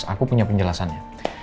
aku punya penjelasannya